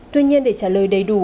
tuy nhiên để trả lời đầy đủ